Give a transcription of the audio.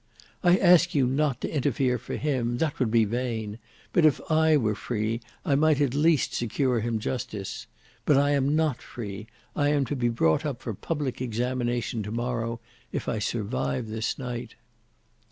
"I ask you not to interfere for him: that would be vain; but if I were free, I might at least secure him justice. But I am not free: I am to be brought up for public examination to morrow, if I survive this night.